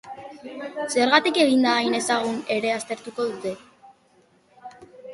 Zergaitik egin da hain ezagun ere aztertuko dute.